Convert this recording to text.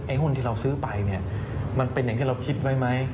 หุ้นที่เราซื้อไปเนี่ยมันเป็นอย่างที่เราคิดไว้ไหม